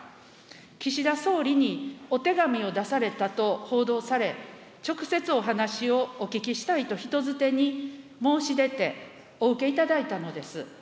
岸田総理にお手紙を出されたと報道され、直接お話をお聞きしたいと、人づてに申し出て、お受けいただいたのです。